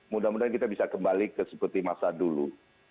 mudah mudahan kita bisa kembali ke seperti masa dulu